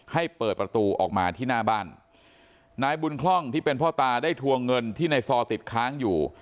ให้เปิดประตูออกมาที่หน้าบ้านนายบุญคล่องที่เป็นพ่อตาได้ทวงเงินที่ในซอติดค้างอยู่